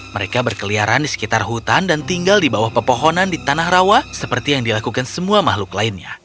mereka berkeliaran di sekitar hutan dan tinggal di bawah pepohonan di tanah rawa seperti yang dilakukan semua makhluk lainnya